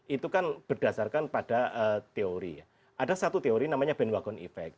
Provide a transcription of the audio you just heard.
itu kan berdasarkan pada teori ya ada satu teori namanya bandwagon effect